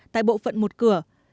tại bộ phận một cửa